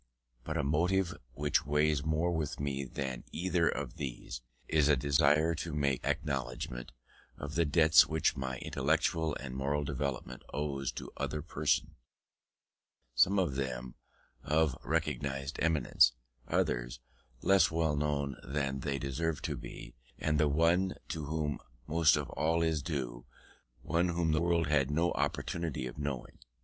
But a motive which weighs more with me than either of these, is a desire to make acknowledgment of the debts which my intellectual and moral development owes to other persons; some of them of recognised eminence, others less known than they deserve to be, and the one to whom most of all is due, one whom the world had no opportunity of knowing.